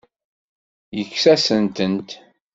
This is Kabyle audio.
Yekkes-asent-tent.